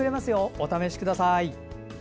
お試しください。